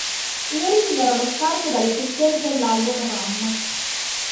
In origine era uno scarto dalle sessioni per l'album "Ram".